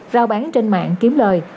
rao bán trên mạng kiếm lời